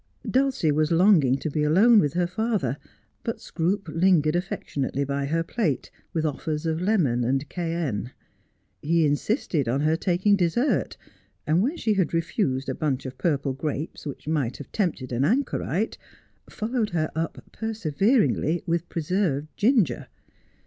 Dulcie was longing to be alone with her father, but Scroope lingered affectionately by her plate, with offers of lemon and cayenne. He insisted on her taking dessert, and when she had refused a bunch of purple grapes which might have tempted an anchorite, followed her up, perseveringly, with preserved ginger.